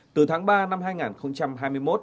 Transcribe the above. từ tháng ba năm hai nghìn hai mươi một